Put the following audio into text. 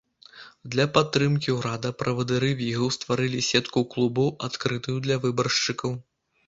Для падтрымкі ўрада правадыры вігаў стварылі сетку клубаў, адкрытую для выбаршчыкаў.